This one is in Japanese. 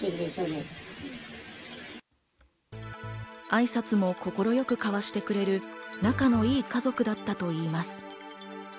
挨拶も快くかわしてくれる仲のいい家族だったといいます。